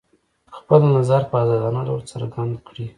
خپل نظر په ازادانه ډول څرګند کړي.